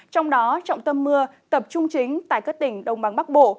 trong đó trọng tâm mưa tập trung chính tại các tỉnh đông bằng bắc bộ